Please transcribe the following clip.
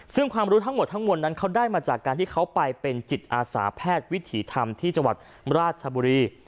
ซึ่งความรู้ทั้งหมดทั้งมวลนั้นเขาได้มาจากการที่เขาไปเป็นจิตอาสาแพทย์วิถีธรรมที่จังหวัดราชบุรี